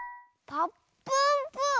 「ぱっぷんぷぅ」？